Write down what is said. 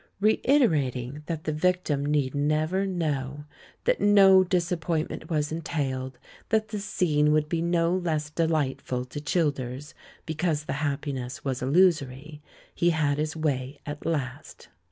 Reiterating that the victim need never know; that no disappointment was entailed; that the scene would be no less delightful to Childers, be cause the happiness was illusory, he had his way at last.